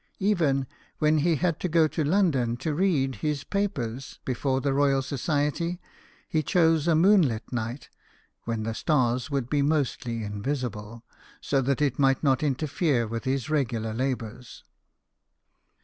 Even when he had to go to London to read his papers before the Royal Society, he chose a moonlight night (when the stars would be mostly invisible), so that it might not interfere with his regular labours.